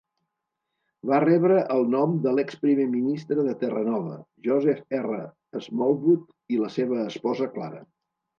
Va rebre el nom de l'ex primer ministre de Terranova, Joseph R. Smallwood, i la seva esposa Clara.